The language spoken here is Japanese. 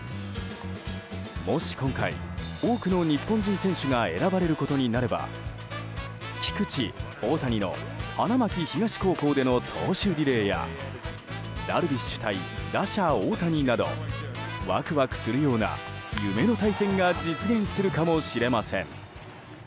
もし今回、多くの日本人選手が選ばれることになれば菊池、大谷の花巻東高校での投手リレーやダルビッシュ対打者・大谷などワクワクするような夢の対戦が実現するかもしれません。